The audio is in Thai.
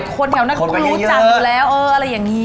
คนแถวนั้นเขาต้องรู้จักอยู่แล้วเอออะไรอย่างนี้